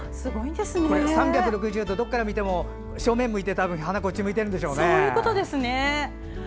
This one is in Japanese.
これ、３６０度どこから見ても正面を向いて花がこっちを向いているんでしょうね。